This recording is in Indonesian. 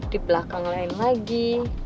di belakang lain lagi